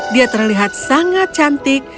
dia terlihat sangat cantik